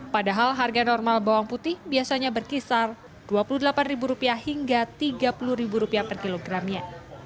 padahal harga normal bawang putih biasanya berkisar rp dua puluh delapan hingga rp tiga puluh per kilogramnya